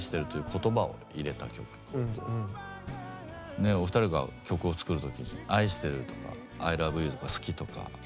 ねえお二人が曲を作る時に「愛してる」とか「アイラブユー」とか「好き」とか。